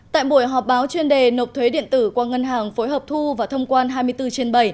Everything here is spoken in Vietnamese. tại buổi họp báo chuyên đề nộp thuế điện tử qua ngân hàng phối hợp thu và thông quan hai mươi bốn trên bảy